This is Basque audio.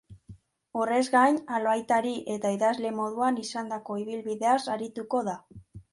Horrez gain, albaitari eta idazle moduan izandako ibilbideaz arituko da.